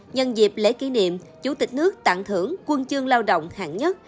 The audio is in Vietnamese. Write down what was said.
nhân dịp lễ kỷ niệm chủ tịch nước tặng thưởng quân chương lao động hạng nhất